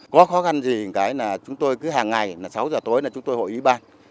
có khó khăn gì là chúng tôi cứ hàng ngày sáu giờ tối là chúng tôi hội ý ban